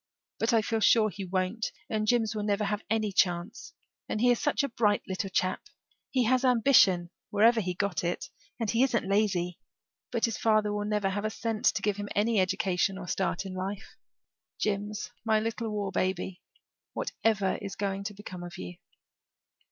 "But I feel sure he won't and Jims will never have any chance. And he is such a bright little chap he has ambition, wherever he got it and he isn't lazy. But his father will never have a cent to give him any education or start in life. Jims, my little war baby, whatever is going to become of you?"